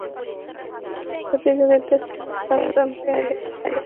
প্রতিযোগিতাটি ছিল সাফ চ্যাম্পিয়নশিপের বাইরে বাংলাদেশের আন্তর্জাতিক ফুটবলের স্বাদ নেওয়ার জায়গা।